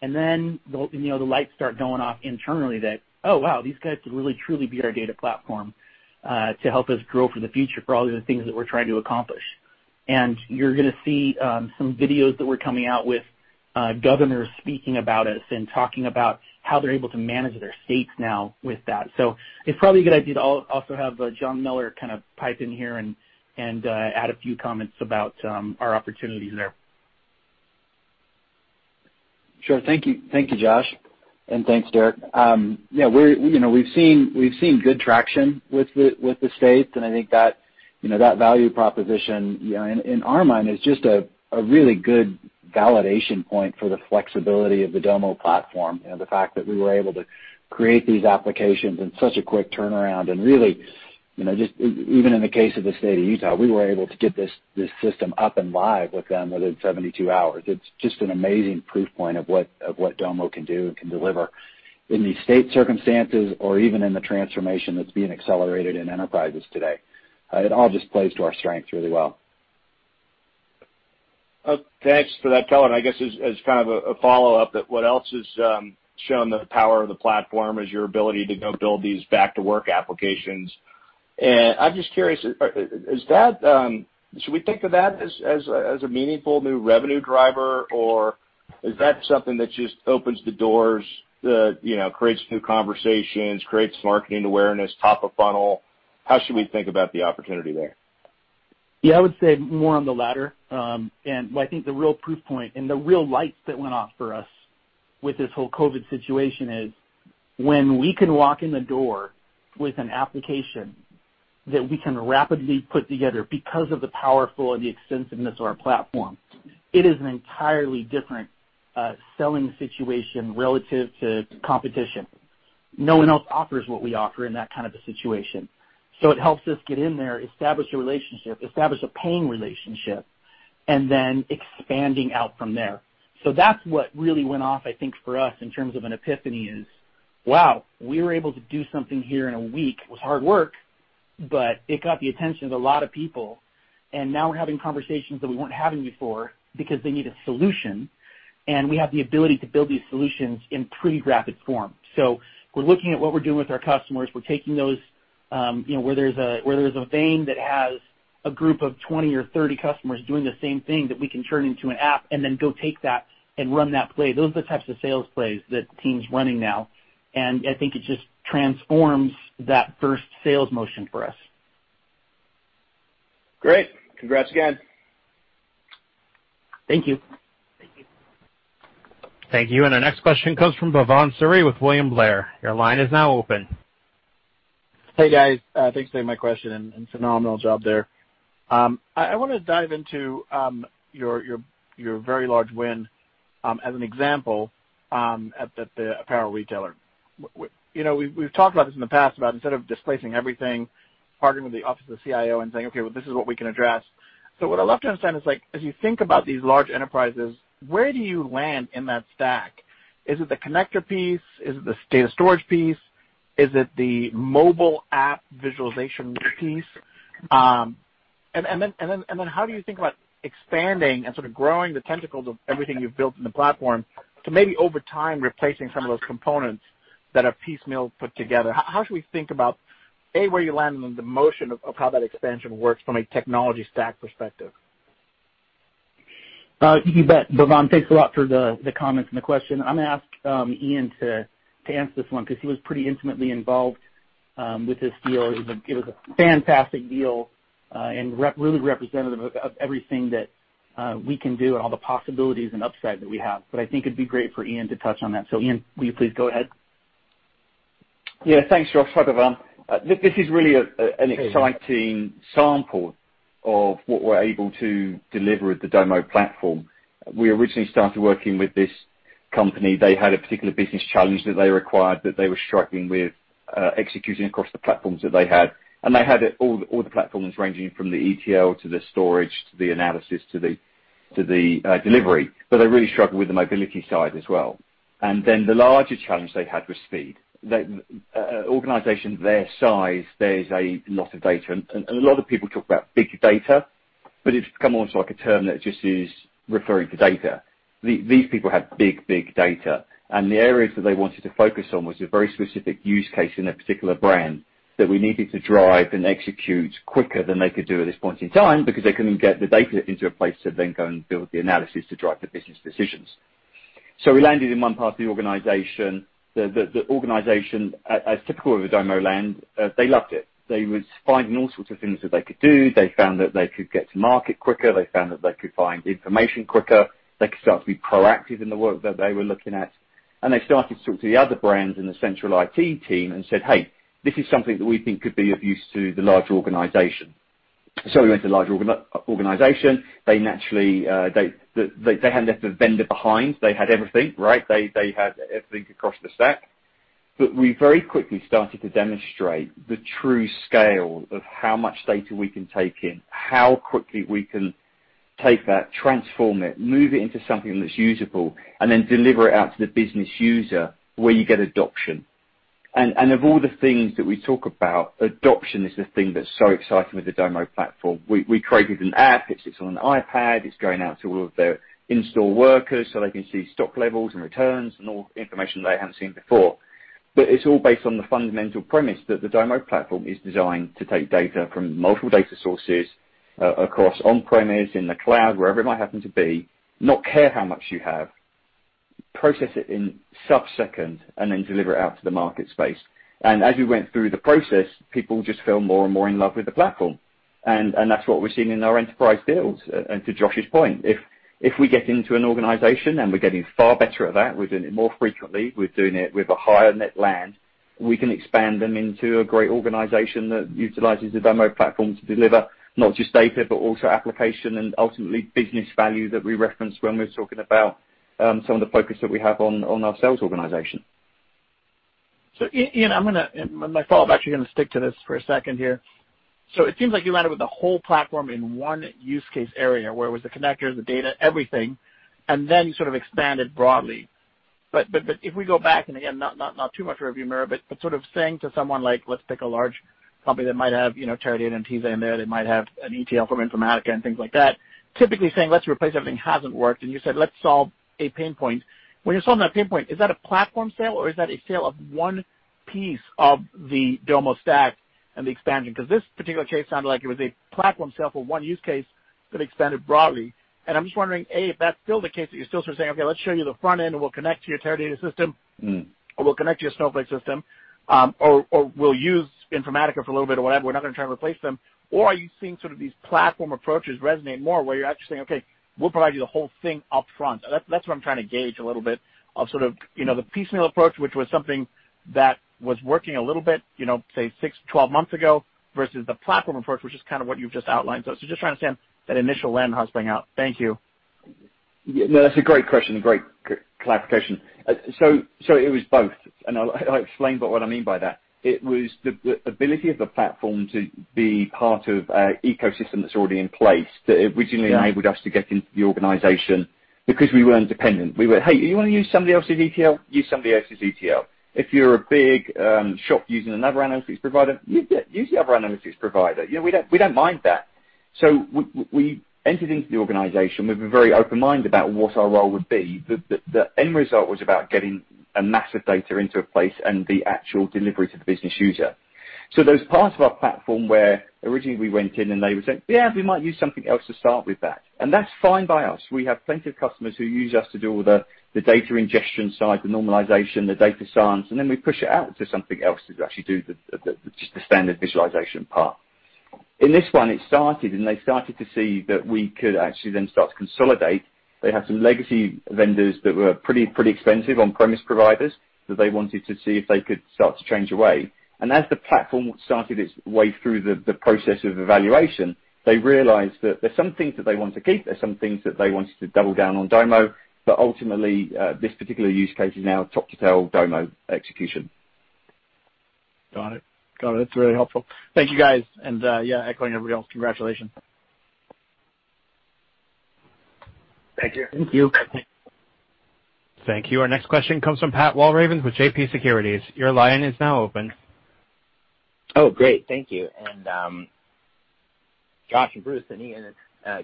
The lights start going off internally that, "Oh, wow, these guys could really truly be our data platform, to help us grow for the future for all of the things that we're trying to accomplish." You're going to see some videos that we're coming out with governors speaking about us and talking about how they're able to manage their states now with that. It's probably a good idea to also have John Miller kind of pipe in here and add a few comments about our opportunities there. Sure. Thank you, Josh, and thanks, Derrick. We've seen good traction with the states, and I think that value proposition in our mind is just a really good validation point for the flexibility of the Domo platform. The fact that we were able to create these applications in such a quick turnaround, and really, just even in the case of the state of Utah, we were able to get this system up and live with them within 72 hours. It's just an amazing proof point of what Domo can do and can deliver in these state circumstances or even in the transformation that's being accelerated in enterprises today. It all just plays to our strengths really well. Thanks for that, John. I guess as kind of a follow-up, what else has shown the power of the platform is your ability to go build these back-to-work applications. I'm just curious, should we think of that as a meaningful new revenue driver, or is that something that just opens the doors, creates new conversations, creates marketing awareness, top of funnel? How should we think about the opportunity there? Yeah, I would say more on the latter. I think the real proof point and the real lights that went off for us with this whole COVID situation is when we can walk in the door with an application that we can rapidly put together because of the powerful and the extensiveness of our platform, it is an entirely different selling situation relative to competition. No one else offers what we offer in that kind of a situation. It helps us get in there, establish a relationship, establish a paying relationship, and then expanding out from there. That's what really went off, I think, for us in terms of an epiphany is, wow, we were able to do something here in a week. It was hard work, but it got the attention of a lot of people, and now we're having conversations that we weren't having before because they need a solution, and we have the ability to build these solutions in pretty rapid form. We're looking at what we're doing with our customers. We're taking those, where there's a vein that has a group of 20 or 30 customers doing the same thing that we can turn into an app and then go take that and run that play. Those are the types of sales plays that team's running now, and I think it just transforms that first sales motion for us. Great. Congrats again. Thank you. Thank you. Thank you. Our next question comes from Bhavan Suri with William Blair. Your line is now open. Hey, guys. Thanks for taking my question, and phenomenal job there. I want to dive into your very large win as an example at the apparel retailer. We've talked about this in the past, about instead of displacing everything, partnering with the office of the CIO and saying, "Okay, well, this is what we can address." What I'd love to understand is, as you think about these large enterprises, where do you land in that stack? Is it the connector piece? Is it the data storage piece? Is it the mobile app visualization piece? How do you think about expanding and sort of growing the tentacles of everything you've built in the platform to maybe over time, replacing some of those components that are piecemeal put together? How should we think about, A, where you land and then the motion of how that expansion works from a technology stack perspective? You bet, Bhavan. Thanks a lot for the comments and the question. I'm going to ask Ian to answer this one because he was pretty intimately involved with this deal. It was a fantastic deal, and really representative of everything that we can do and all the possibilities and upside that we have. I think it'd be great for Ian to touch on that. Ian, will you please go ahead? Yeah. Thanks, Josh. Hi, Bhavan. This is really an exciting sample of what we're able to deliver with the Domo platform. We originally started working with this company. They had a particular business challenge that they required, that they were struggling with executing across the platforms that they had. They had all the platforms ranging from the ETL to the storage, to the analysis to the delivery, but they really struggled with the mobility side as well. The larger challenge they had was speed. An organization their size, there's a lot of data, and a lot of people talk about big data, but it's come almost like a term that just is referring to data. These people have big data, the areas that they wanted to focus on was a very specific use case in a particular brand that we needed to drive and execute quicker than they could do at this point in time, because they couldn't get the data into a place to then go and build the analysis to drive the business decisions. We landed in one part of the organization. The organization, as typical of a Domo land, they loved it. They was finding all sorts of things that they could do. They found that they could get to market quicker. They found that they could find information quicker. They could start to be proactive in the work that they were looking at. They started to talk to the other brands in the central IT team and said, "Hey, this is something that we think could be of use to the larger organization." We went to the larger organization. They had left the vendor behind. They had everything, right? They had everything across the stack. We very quickly started to demonstrate the true scale of how much data we can take in, how quickly we can take that, transform it, move it into something that's usable, and then deliver it out to the business user where you get adoption. Of all the things that we talk about, adoption is the thing that's so exciting with the Domo platform. We created an app. It sits on an iPad. It's going out to all of their in-store workers so they can see stock levels and returns and all information they haven't seen before. It's all based on the fundamental premise that the Domo platform is designed to take data from multiple data sources across on-premise, in the cloud, wherever it might happen to be, not care how much you have, process it in sub-second, and then deliver it out to the market space. As we went through the process, people just fell more and more in love with the platform. That's what we're seeing in our enterprise deals. To Josh's point, if we get into an organization, and we're getting far better at that, we're doing it more frequently, we're doing it with a higher net land, we can expand them into a great organization that utilizes the Domo platform to deliver not just data, but also application and ultimately business value that we referenced when we were talking about some of the focus that we have on our sales organization. Ian, my follow-up, actually going to stick to this for a second here. It seems like you landed with the whole platform in one use case area, where it was the connectors, the data, everything, and then you sort of expanded broadly. If we go back and again, not too much rearview mirror, but sort of saying to someone like, let's pick a large company that might have Teradata and Netezza in there, they might have an ETL from Informatica and things like that, typically saying let's replace everything hasn't worked, and you said, let's solve a pain point. When you're solving that pain point, is that a platform sale or is that a sale of one piece of the Domo stack and the expansion? This particular case sounded like it was a platform sale for one use case that expanded broadly. I'm just wondering, A, if that's still the case, that you're still sort of saying, "Okay, let's show you the front end and we'll connect to your Teradata system. We'll connect to your Snowflake system," or "We'll use Informatica for a little bit or whatever. We're not going to try and replace them." Are you seeing sort of these platform approaches resonate more where you're actually saying, "Okay, we'll provide you the whole thing up front." That's what I'm trying to gauge a little bit of sort of the piecemeal approach, which was something that was working a little bit, say six, 12 months ago, versus the platform approach, which is kind of what you've just outlined. Just trying to understand that initial land, how it's playing out. Thank you. No, that's a great question, a great clarification. It was both, and I'll explain about what I mean by that. It was the ability of the platform to be part of a ecosystem that's already in place that originally enabled us to get into the organization because we weren't dependent. We went, "Hey, you want to use somebody else's ETL? Use somebody else's ETL." If you're a big shop using another analytics provider, use the other analytics provider. We don't mind that. We entered into the organization. We've been very open-minded about what our role would be. The end result was about getting a mass of data into a place and the actual delivery to the business user. There's parts of our platform where originally we went in and they were saying, "Yeah, we might use something else to start with that." That's fine by us. We have plenty of customers who use us to do all the data ingestion side, the normalization, the data science, and then we push it out to something else to actually do just the standard visualization part. In this one, it started, and they started to see that we could actually then start to consolidate. They had some legacy vendors that were pretty expensive, on-premise providers, that they wanted to see if they could start to change away. As the platform started its way through the process of evaluation, they realized that there's some things that they want to keep, there's some things that they wanted to double down on Domo, but ultimately, this particular use case is now top to tail Domo execution. Got it. That's really helpful. Thank you guys. Yeah, echoing everybody else, congratulations. Thank you. Thank you. Thank you. Our next question comes from Patrick Walravens with JMP Securities. Your line is now open. Oh, great. Thank you. Josh and Bruce and Ian,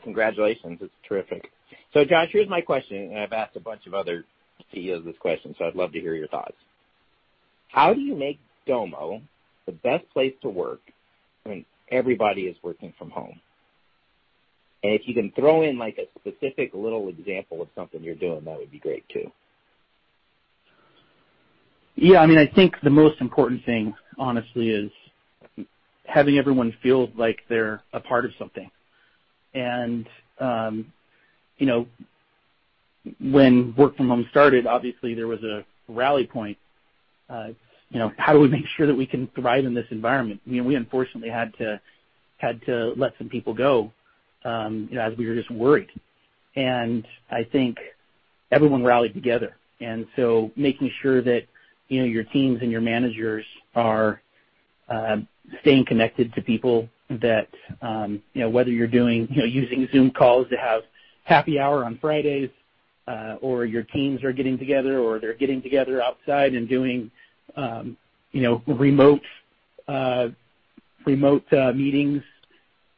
congratulations. It's terrific. Josh, here's my question, and I've asked a bunch of other CEOs this question, so I'd love to hear your thoughts. How do you make Domo the best place to work when everybody is working from home? If you can throw in like a specific little example of something you're doing, that would be great too. Yeah, I think the most important thing, honestly, is having everyone feel like they're a part of something. When work from home started, obviously there was a rally point. How do we make sure that we can thrive in this environment? We unfortunately had to let some people go, as we were just worried. I think everyone rallied together. Making sure that your teams and your managers are staying connected to people that, whether you're using Zoom calls to have happy hour on Fridays, or your teams are getting together, or they're getting together outside and doing remote meetings.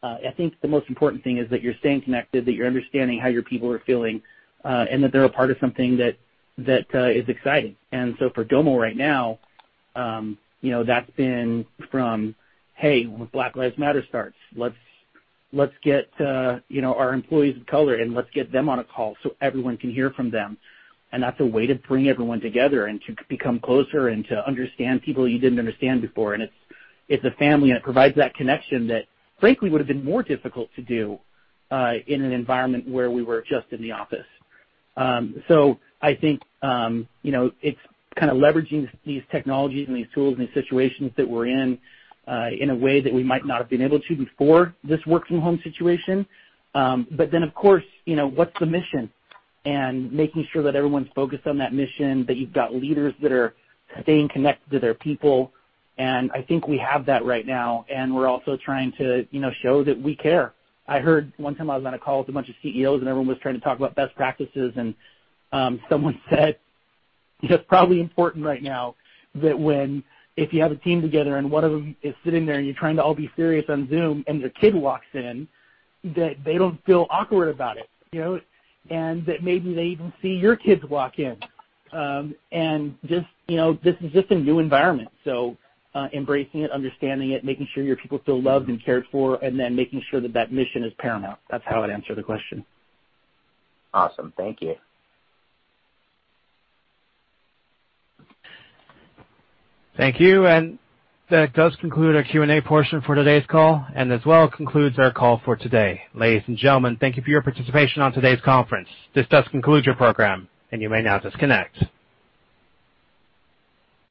I think the most important thing is that you're staying connected, that you're understanding how your people are feeling, and that they're a part of something that is exciting. For Domo right now, that's been from, hey, when Black Lives Matter starts, let's get our employees of color and let's get them on a call so everyone can hear from them. That's a way to bring everyone together and to become closer and to understand people you didn't understand before. It's a family, and it provides that connection that frankly, would've been more difficult to do, in an environment where we were just in the office. I think, it's kind of leveraging these technologies and these tools and these situations that we're in a way that we might not have been able to before this work from home situation. Of course, what's the mission? Making sure that everyone's focused on that mission, that you've got leaders that are staying connected to their people. I think we have that right now, and we're also trying to show that we care. I heard one time I was on a call with a bunch of CEOs and everyone was trying to talk about best practices, and someone said it's probably important right now that when, if you have a team together and one of them is sitting there and you're trying to all be serious on Zoom and their kid walks in, that they don't feel awkward about it. That maybe they even see your kids walk in. This is just a new environment. Embracing it, understanding it, making sure your people feel loved and cared for, and then making sure that that mission is paramount. That's how I'd answer the question. Awesome. Thank you. Thank you. That does conclude our Q&A portion for today's call, and as well concludes our call for today. Ladies and gentlemen, thank you for your participation on today's conference. This does conclude your program, and you may now disconnect.